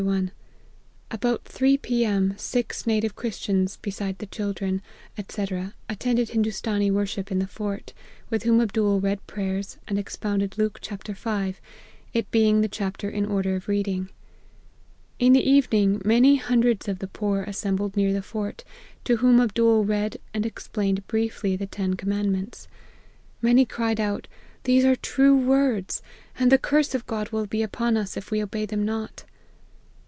About three P. M. six native Christians, beside the children, &c. attended Hindoostanee worship in the fort, with whom Ab dool read prayers, and expounded Luke v., it being the chapter in order of reading. In the evening many hundreds of the poor assembled near the fort, to whom Abdool read and explained briefly the ten commandments. Many cried out, These are true words ; and the curse of God will be upon us if we obey them not